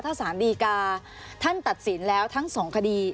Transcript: ถ้าสารดีกาท่านตัดสินแล้วทั้งสองคดี